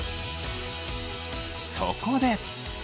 そこで。